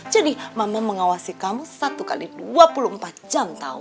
jadi mama mengawasi kamu satu x dua puluh empat jam tau